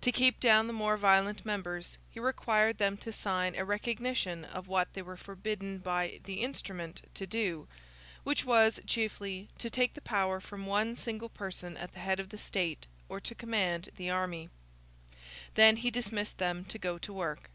To keep down the more violent members, he required them to sign a recognition of what they were forbidden by 'the Instrument' to do; which was, chiefly, to take the power from one single person at the head of the state or to command the army. Then he dismissed them to go to work.